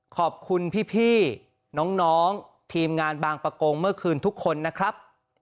ขอบคุณพี่น้องทีมงานบางประกงเมื่อคืนทุกคนนะครับ